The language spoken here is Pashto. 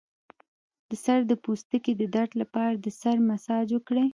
د سر د پوستکي د درد لپاره د سر مساج وکړئ